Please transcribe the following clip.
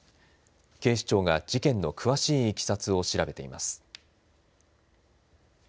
警視庁が事件の詳しいいきさつを調べています。